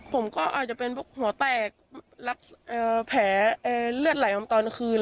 ผมก็อาจจะเป็นพวกหัวแตกแผลเลือดไหลออกตอนคืน